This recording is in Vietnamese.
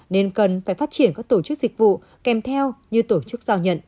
nên cần phải phát triển các tổ chức dịch vụ kèm theo như tổ chức giao nhận